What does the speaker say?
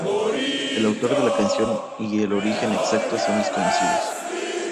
El autor de la canción y el origen exacto son desconocidos.